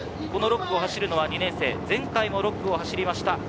その６区を走るのは２年生、前回も６区を走りました。